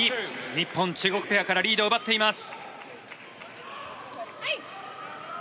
日本、中国ペアからリードを奪っています。